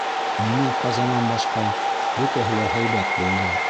Минең ҡазанан башҡа, бөтәһе лә һәйбәт булды.